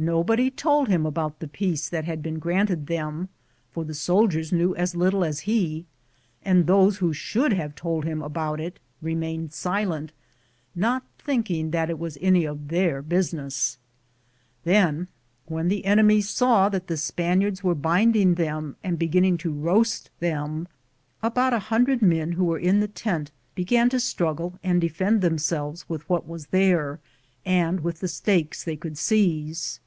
Nobody told him about the peace that had been granted them, for the soldiers knew as little as he, and those who should have told him about it remained silent, not thinking that it was any of their business. Then when the ene mies saw that the Spaniards were binding them and beginning to roast them, about a hundred men who were in the tent began to struggle and defend themselves with what there was there and with the stakes they could seize.